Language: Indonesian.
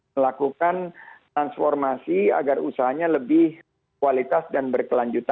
melakukan transformasi agar usahanya lebih kualitas dan berkelanjutan